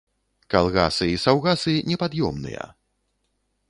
Калгасы і саўгасы непад'ёмныя.